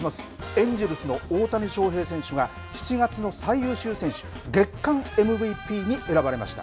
エンジェルスの大谷翔平選手が７月の最優秀選手月間ＭＶＰに選ばれました。